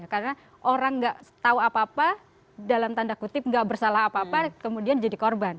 karena orang tidak tahu apa apa dalam tanda kutip tidak bersalah apa apa kemudian jadi korban